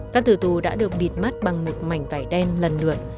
các từ tù đã được bịt mắt bằng một mảnh vải đen lần lượt